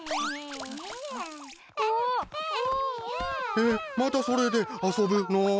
えっまたそれで遊ぶの？